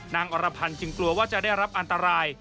อรพันธ์จึงกลัวว่าจะได้รับอันตราย